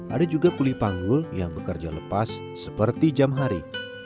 ada juga kulipanggul yang bekerja lepas seperti jam hari